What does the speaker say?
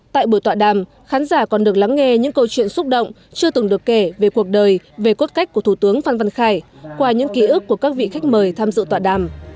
tại buổi tọa đàm khán giả còn được lắng nghe những câu chuyện xúc động chưa từng được kể về cuộc đời về cốt cách của thủ tướng phan văn khải qua những ký ức của các vị khách mời tham dự tọa đàm